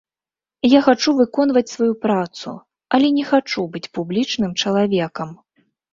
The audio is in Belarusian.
Я хачу выконваць сваю працу, але не хачу быць публічным чалавекам.